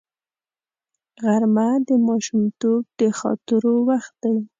غرمه د ماشومتوب د خاطرو وخت دی